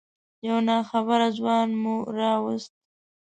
یو ناخبره ځوان مو راوست.